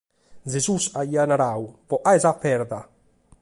Gesùs aiat naradu: «Bogade sa pedra!».